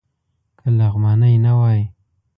که لغمانی نه وای.